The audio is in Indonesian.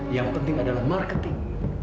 yang penting adalah marketing